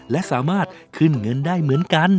และสามารถขึ้นเงินได้เหมือนกัน